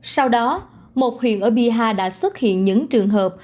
sau đó một huyện ở biaha đã xuất hiện những trường hợp